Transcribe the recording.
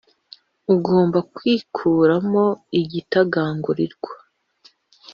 ugomba kwikuramo igitagangurirwa